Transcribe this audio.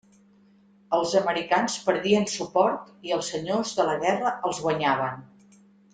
Els americans perdien suport i els senyors de la guerra els guanyaven.